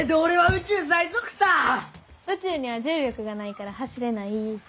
宇宙には重力がないから走れない。